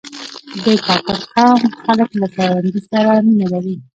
د کاکړ قوم خلک له کروندې سره مینه لري.